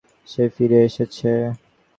সে ফিরে এসেছে।